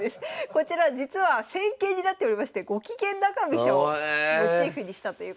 こちら実は戦型になっておりましてゴキゲン中飛車をモチーフにしたということです。